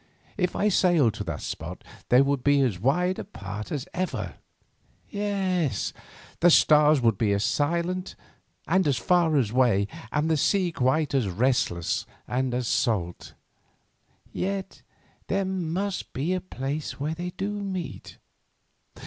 "If I sailed to that spot they would be as wide apart as ever. Yes, the stars would be as silent and as far away, and the sea quite as restless and as salt. Yet there must be a place where they do meet.